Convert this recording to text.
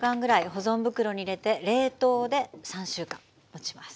保存袋に入れて冷凍で３週間もちます。